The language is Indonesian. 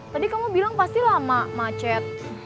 tadi kamu bilang pasti lama macet